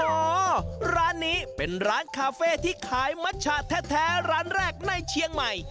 อ๋อร้านนี้เป็นร้านคาเฟ่ที่ขายมัชชาแท้ร้านแรกในเชียงใหม่